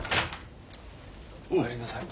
お帰りなさい。